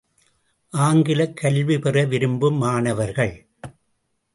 ஆங்கிலக் கல்வி பெற விரும்பும் மாணவர்கள்.